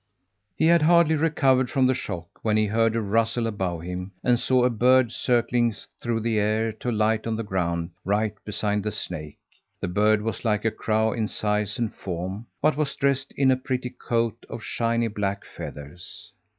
He had hardly recovered from the shock when he heard a rustle above him, and saw a bird circling through the air to light on the ground right beside the snake. The bird was like a crow in size and form, but was dressed in a pretty coat of shiny black feathers.